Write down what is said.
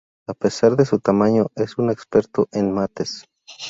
A pesar de su tamaño, es un experto en mates.